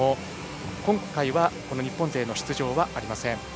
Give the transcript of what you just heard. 今回は日本勢の出場はありません。